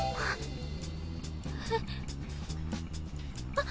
あっ。